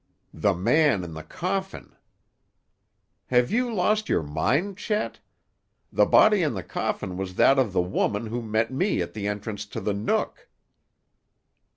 "The man in the coffin." "Have you lost your mind, Chet? The body in the coffin was that of the woman who met me at the entrance to the Nook."